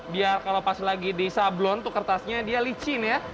biar kalau pas lagi disablon tuh kertasnya dia licin ya